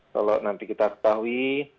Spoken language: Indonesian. kalau nanti kita ketahui